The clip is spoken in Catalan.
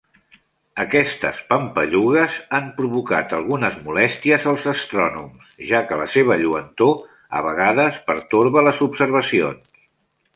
Aquestes pampallugues han provocat algunes molèsties als astrònoms ja que la seva lluentor a vegades pertorba les observacions.